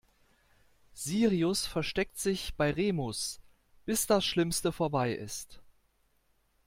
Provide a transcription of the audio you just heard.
Sirius versteckt sich bei Remus, bis das Schlimmste vorbei ist.